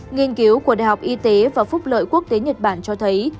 nghiên cứu của đại học y tế và phúc lợi quốc tế nhật bản cho thấy